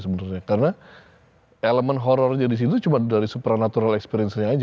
sebenarnya karena elemen horornya di sini itu cuma dari supernatural experience nya aja